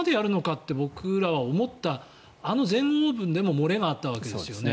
って僕らは思ったあの全豪オープンでも漏れがあったわけですよね。